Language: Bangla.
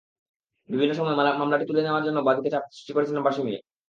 বিভিন্ন সময় মামলাটি তুলে নেওয়ার জন্য বাদীকে চাপ সৃষ্টি করছিলেন বাঁশি মিয়া।